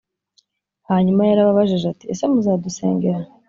Hanyuma yarababajije ati ese muzadusengera